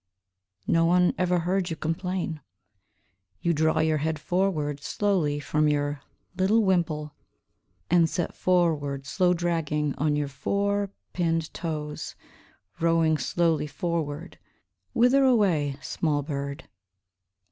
No one ever heard you complain. You draw your head forward, slowly, from your little wimple And set forward, slow dragging, on your four pinned toes, Rowing slowly forward. Whither away, small bird?